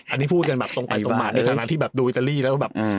อันนี้พูดกันแบบตรงไปตรงมาในฐานะที่แบบดูอิตาลีแล้วแบบ